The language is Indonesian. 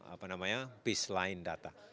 apa namanya baseline data